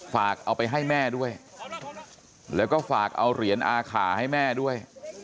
ฝากเอาไปให้แม่ด้วยแล้วก็ฝากเอาเหรียญอาขาให้แม่ด้วย